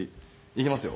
いきますよ。